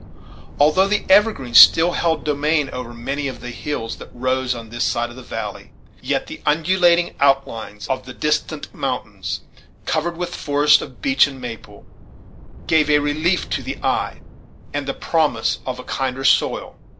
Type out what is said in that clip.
Although the evergreens still held dominion over many of the hills that rose on this side of the valley, yet the undulating outlines of the distant mountains, covered with forests of beech and maple, gave a relief to the eye, and the promise of a kinder soil.